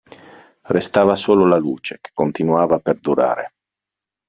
Restava solo la luce, che continuava a perdurare.